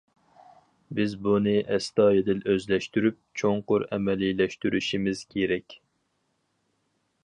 بىز بۇنى ئەستايىدىل ئۆزلەشتۈرۈپ، چوڭقۇر ئەمەلىيلەشتۈرۈشىمىز كېرەك.